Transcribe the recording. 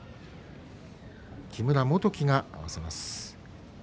木村元基が合わせます。